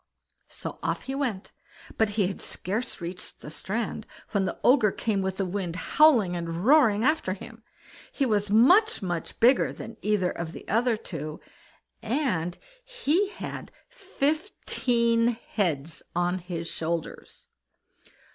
So off he went, but he had scarce reached the strand when the Ogre came with the wind howling and roaring after him. He was much, much bigger than either of the other two, and he had fifteen heads on his shoulders.